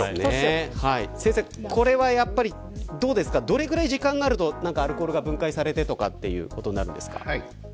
先生、これはやっぱりどれぐらい時間があるとアルコールが分解されてということなんですか。